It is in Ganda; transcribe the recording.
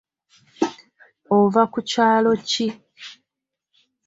Ova ku kyalo ki?